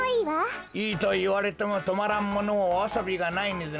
いいといわれてもとまらんものはワサビがないでの。